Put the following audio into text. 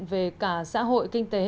về cả xã hội kinh tế